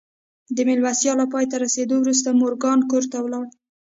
د مېلمستیا له پای ته رسېدو وروسته مورګان کور ته ولاړ